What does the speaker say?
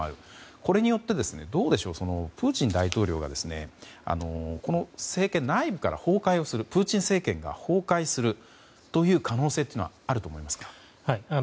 これによって、どうでしょうプーチン大統領が政権内部から崩壊をするプーチン政権が崩壊する可能性はあると思いますか。